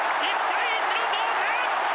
１対１の同点。